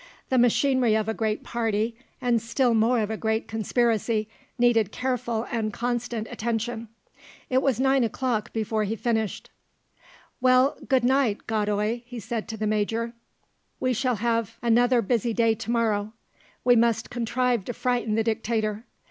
The machinery of a great party, and still more of a great conspiracy, needed careful and constant attention. It was nine o'clock before he finished. "Well, good night, Godoy," he said to the Major; "we shall have another busy day to morrow. We must contrive to frighten the Dictator.